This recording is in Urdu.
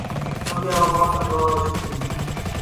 کیونکہ وہ بہت کمزور ہو چکی ہوتی ہیں